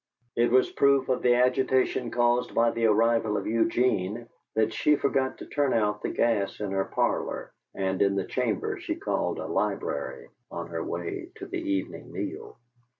It was proof of the agitation caused by the arrival of Eugene that she forgot to turn out the gas in her parlor, and in the chamber she called a library, on her way to the evening meal.